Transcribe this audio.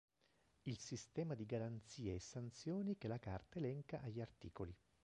Il sistema di garanzie e sanzioni che la Carta elenca agli artt.